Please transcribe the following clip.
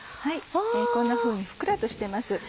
こんなふうにふっくらとしてます。